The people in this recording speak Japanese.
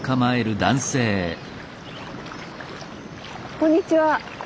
こんにちは